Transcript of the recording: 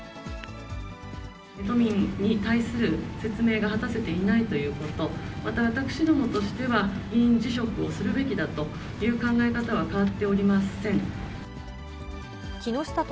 都民に対する説明が果たせていないということ、また私どもとしては、議員辞職をするべきだという考え方は変わっておりません。